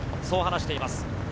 そう話しています。